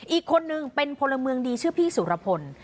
อีกคนนึงเป็นพลเมืองดีชื่อพี่สุรพล